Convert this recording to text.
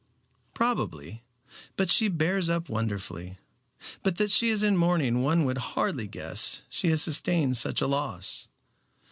"Probably, but she bears up wonderfully. But that she is in mourning one would hardly guess she had sustained such a loss.